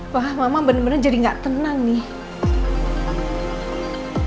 wah mama bener bener jadi gak tenang nih